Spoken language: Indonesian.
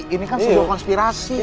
ini kan sudah konspirasi